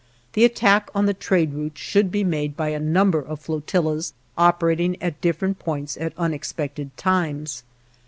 The attack on the trade routes should be made by a number of flotillas operating at different points at unexpected times.